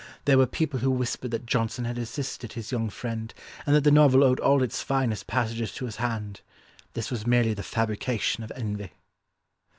There were people who whispered that Johnson had assisted his young friend and that the novel owed all its finest passages to his hand. This was merely the fabrication of envy."